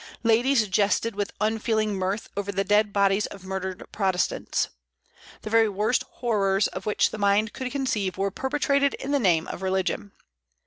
Ladies jested with unfeeling mirth over the dead bodies of murdered Protestants. The very worst horrors of which the mind could conceive were perpetrated in the name of religion.